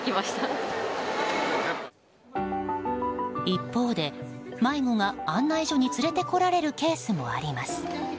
一方で迷子が案内所に連れてこられるケースもあります。